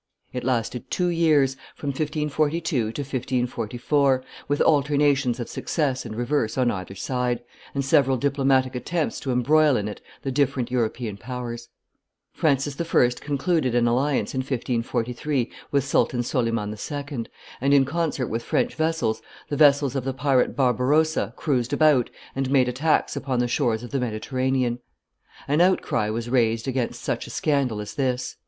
It lasted two years, from 1542 to 1544, with alternations of success and reverse on either side, and several diplomatic attempts to embroil in it the different European powers. Francis I. concluded an alliance in 1543 with Sultan Soliman II., and, in concert with French vessels, the vessels of the pirate Barbarossa cruised about and made attacks upon the shores of the Mediterranean. An outcry was raised against such a scandal as this.